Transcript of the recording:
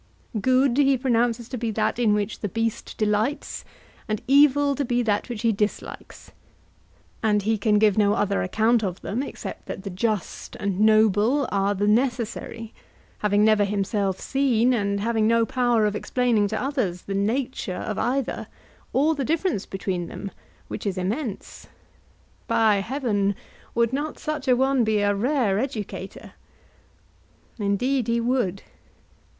Good he pronounces to be that in which the beast delights and evil to be that which he dislikes; and he can give no other account of them except that the just and noble are the necessary, having never himself seen, and having no power of explaining to others the nature of either, or the difference between them, which is immense. By heaven, would not such an one be a rare educator? Indeed he would.